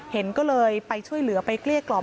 เห็นก็เลยไปช่วยเหลือไปเกลี้ยกล่อม